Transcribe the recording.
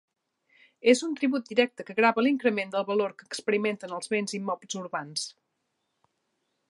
És un tribut directe que grava l'increment del valor que experimenten els béns immobles urbans.